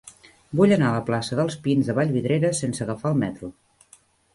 Vull anar a la plaça dels Pins de Vallvidrera sense agafar el metro.